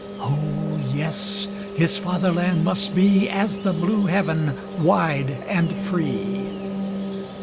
O, yes! his fatherland must be As the blue heaven wide and free!